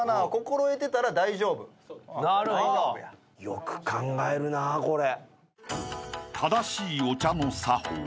よく考えるなあこれ。